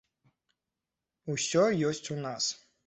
Усё ёсць у нас.